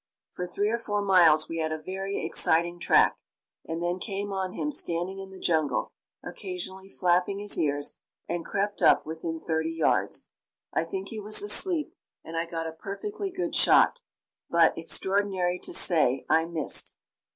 For three or four miles we had a very exciting track, and then came on him standing in the jungle, occasionally flapping his ears, and crept up to within thirty yards. I think he was asleep and I got a perfectly good shot, but, extraordinary to say, I missed.